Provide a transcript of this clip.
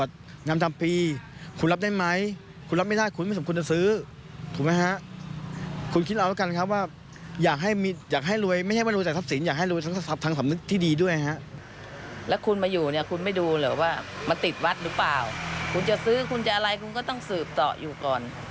ถ้าซื้อคุณจะอะไรก็ต้องสืบต่ออยู่ก่อน